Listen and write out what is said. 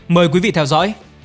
mời quý vị theo dõi